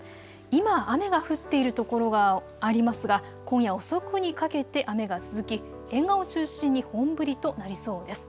今、雨が降っている所がありますが今夜遅くにかけて雨が続き沿岸を中心に本降りとなりそうです。